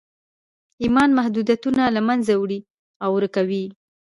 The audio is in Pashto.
ایمان محدودیتونه له منځه وړي او ورکوي یې